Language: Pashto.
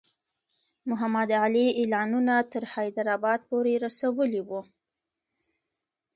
محمدعلي اعلانونه تر حیدرآباد پوري رسولي وو.